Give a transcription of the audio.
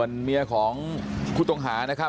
บอกแล้วบอกแล้วบอกแล้วบอกแล้ว